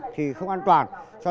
thì không an toàn